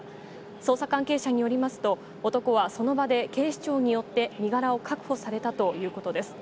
捜査関係者によりますと、男はその場で警視庁によって身柄を確保されたということです。